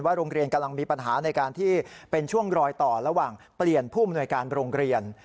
โรงเรียนกำลังมีปัญหาในการที่เป็นช่วงรอยต่อระหว่างเปลี่ยนผู้อำนวยการโรงเรียน